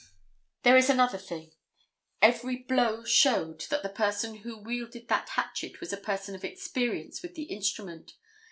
There is another thing. Every blow showed that the person who wielded that hatchet was a person of experience with the instrument.